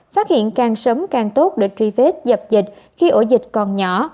phát hiện càng sớm càng tốt để truy vết dập dịch khi ổ dịch còn nhỏ